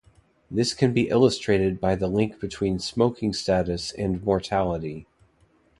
This can be illustrated by the link between smoking status and mortality.